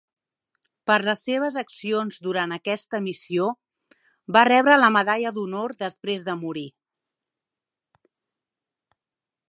Per les seves accions durant aquesta missió, va rebre la medalla d'honor després de morir.